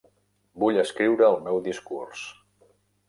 Vull escriure el meu discurs.